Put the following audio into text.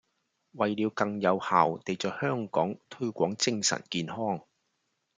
為了更有效地在香港推廣精神健康